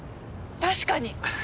確かに！